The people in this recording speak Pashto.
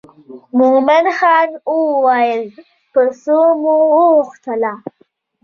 مومن خان وویل په څو مو وغوښتله.